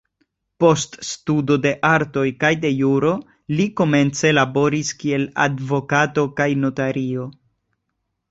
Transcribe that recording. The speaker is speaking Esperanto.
Post studo de artoj kaj de juro, li komence laboris kiel advokato kaj notario.